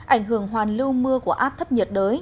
ảnh hưởng hoàn lưu mưa của áp thấp nhiệt đới